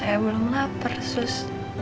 saya belum lapar sus